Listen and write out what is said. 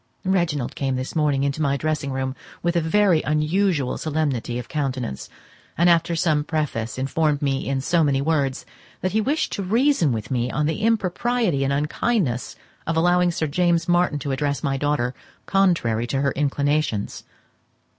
Reginald came this morning into my dressing room with a very unusual solemnity of countenance, and after some preface informed me in so many words that he wished to reason with me on the impropriety and unkindness of allowing Sir James Martin to address my daughter contrary to her inclinations.